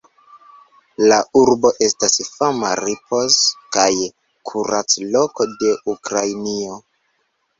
La urbo estas fama ripoz- kaj kurac-loko de Ukrainio.